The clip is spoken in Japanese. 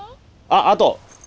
あっあと！